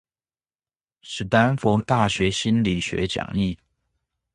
史丹佛大學心理學講義